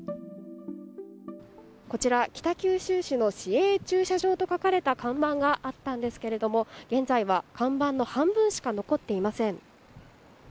こちら、北九州市の市営駐車場と書かれた看板があったんですけども現在は、看板の半分しか残っていません。